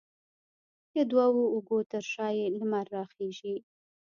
د دوو اوږو ترشا یې، لمر راخیژې